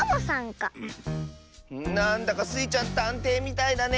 なんだかスイちゃんたんていみたいだね。